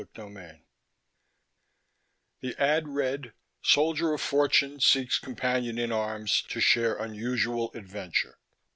CHAPTER I The ad read: _Soldier of fortune seeks companion in arms to share unusual adventure.